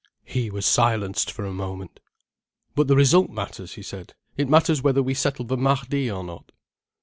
He was silenced for a moment. "But the result matters," he said. "It matters whether we settle the Mahdi or not."